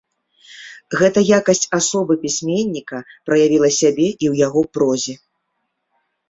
Гэта якасць асобы пісьменніка праявіла сябе і ў яго прозе.